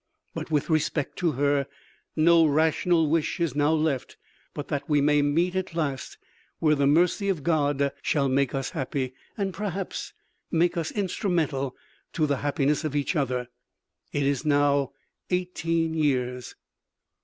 But with respect to her, no rational wish is now left but that we may meet at last where the mercy of God shall make us happy, and perhaps make us instrumental to the happiness of each other. It is now 18 years.